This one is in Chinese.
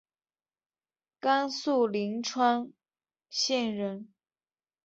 甘肃灵川县人。